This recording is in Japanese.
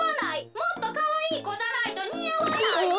もっとかわいいこじゃないとにあわない！」。